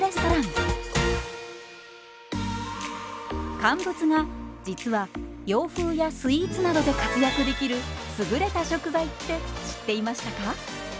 乾物が実は洋風やスイーツなどで活躍できる優れた食材って知っていましたか？